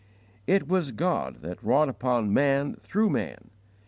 It was God that wrought upon man through man.